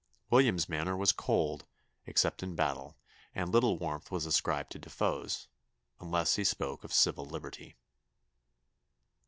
William's manner was cold, except in battle, and little warmth was ascribed to De Foe's, unless he spoke of civil liberty."